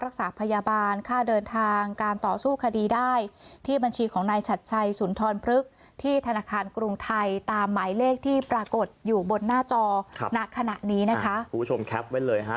ไขใต้ฯตามหมายเลขที่ปรากฏอยู่บนหน้าจอนะขณะนี้นะคะคุณผู้ชมแคปไว้เลยฮะ